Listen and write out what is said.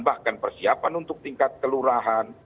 bahkan persiapan untuk tingkat kelurahan